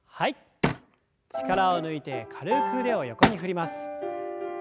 力を抜いて軽く腕を横に振ります。